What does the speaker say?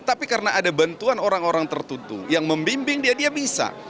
tapi karena ada bantuan orang orang tertentu yang membimbing dia dia bisa